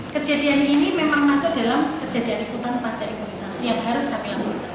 kejadian ini memang masuk dalam kejadian ikutan pasca imunisasi yang harus kami lakukan